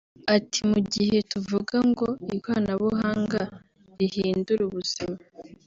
Ati “mu gihe tuvuga ngo ikoranabuhanga rihindure ubuzima